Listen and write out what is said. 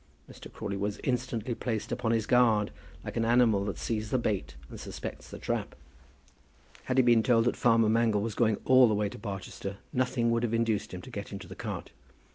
Mr. Crawley was instantly placed upon his guard, like an animal that sees the bait and suspects the trap. Had he been told that farmer Mangle was going all the way to Barchester, nothing would have induced him to get into the cart.